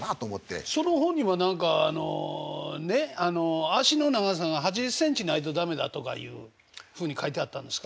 その本には何かあの脚の長さが８０センチないと駄目だとかいうふうに書いてあったんですか？